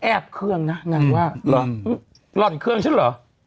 แอบเครื่องนะนุ่มว่าหล่อนเครื่องฉันหรอ